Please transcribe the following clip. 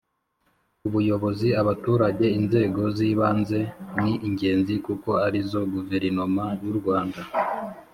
Ubuyobozi abaturage inzego z ibanze ni ingenzi kuko arizo guverinoma y u rwanda